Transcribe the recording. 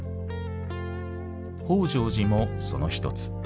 北條寺もその一つ。